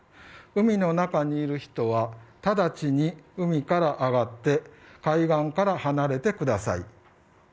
海の中にいる人は直ちに海から上がって海岸から離れてください。